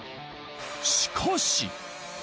しかし。